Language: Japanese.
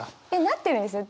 なってるんですよ。